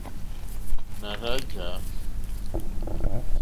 Nà rzá jǎ.